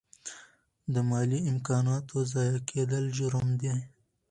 د مالي امکاناتو ضایع کیدل جرم دی.